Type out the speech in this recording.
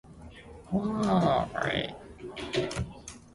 It's also the operating system that comes with the JavaStation.